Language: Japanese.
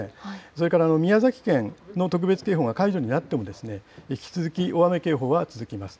それから宮崎県の特別警報が解除になっても、引き続き大雨警報は続きます。